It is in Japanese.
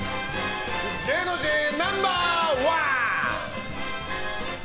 芸能人ナンバー１。